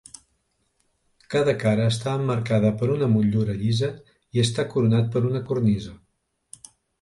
Cada cara està emmarcada per una motllura llisa i està coronat per una cornisa.